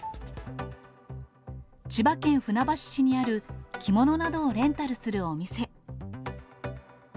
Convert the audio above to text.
千葉県船橋市にある着物などをレンタルするお店。